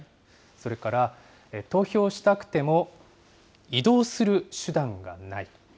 それから、投票したくても、移動する手段がない。